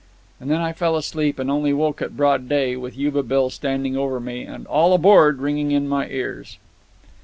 And then I fell asleep and only woke at broad day, with Yuba Bill standing over me, and "All aboard" ringing in my ears.